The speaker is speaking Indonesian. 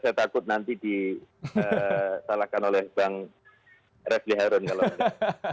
saya takut nanti disalahkan oleh bang refli harun kalau tidak